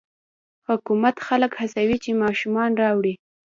حکومت خلک هڅوي چې ماشومان راوړي.